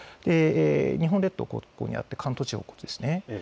日本列島がここにあって関東地方がこちらです。